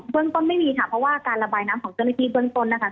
เรื่องต้นไม่มีค่ะเพราะว่าการระบายน้ำของเจ้าหน้าที่เบื้องต้นนะคะ